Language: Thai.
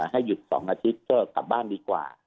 ให้หยุด๒อาทิตย์ก็กลับบ้านดีกว่า